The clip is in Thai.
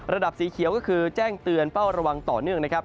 สีเขียวก็คือแจ้งเตือนเป้าระวังต่อเนื่องนะครับ